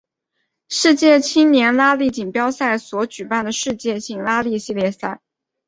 世界青年拉力锦标赛所举办的世界性拉力系列赛。